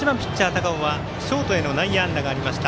高尾はショートへの内野安打がありました。